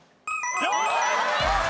お見事！